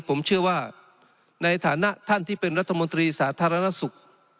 ผมเชื่อว่าในฐานะท่านที่เป็นรัฐมนตรีสาธารณสุข